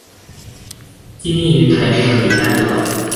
ที่นี่เน้นแสดงเทคโนโลยีด้านจรวด